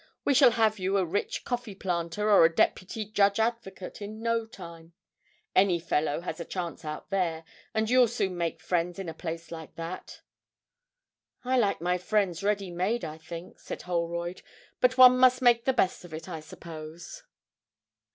We shall have you a rich coffee planter, or a Deputy Judge Advocate, in no time. Any fellow has a chance out there. And you'll soon make friends in a place like that.' 'I like my friends ready made, I think,' said Holroyd; 'but one must make the best of it, I suppose.'